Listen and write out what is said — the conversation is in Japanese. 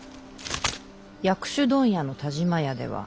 薬種問屋の田嶋屋では。